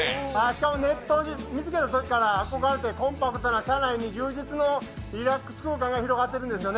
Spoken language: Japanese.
しかも見たときから憧れてコンパクトな車内に充実のリラックス空間が広がってるんですよ。